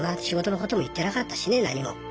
仕事のことも言ってなかったしね何も。